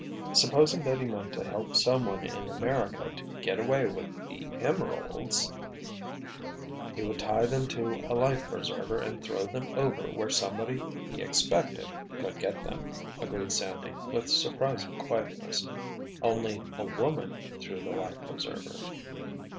Supposing that he meant to help some one in America to 'get away with' the emeralds——" "He would tie them to a life preserver and throw them over where somebody he 'expected' could get them," agreed Sandy, with surprising quietness. "Only—a woman threw the life preserver."